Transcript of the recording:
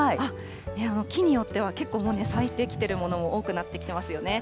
木によっては結構もうね、咲いてきてるものも多くなってきていますよね。